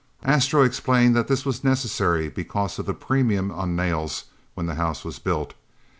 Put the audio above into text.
Astro explained that this was necessary because of the premium on nails when the house was built.